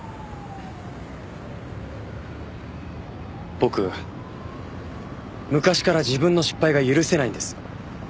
僕昔から自分の失敗が許せないんです。